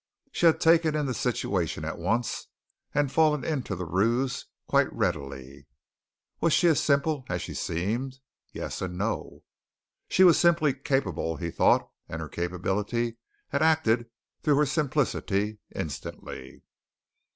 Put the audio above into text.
She had taken in the situation at once and fallen into the ruse quite readily. Was she as simple as she seemed? Yes and no. She was simply capable, he thought and her capability had acted through her simplicity instantly.